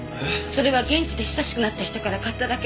それは現地で親しくなった人から買っただけ。